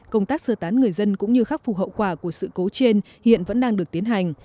công tác sơ tán người dân cũng như khắc phục hậu quả của sự cố trên hiện vẫn đang được tiến hành